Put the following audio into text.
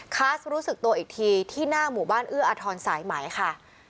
คาสรู้สึกตัวอีกทีที่หน้าหมู่บ้านเอื้ออทรสายไหมค่ะ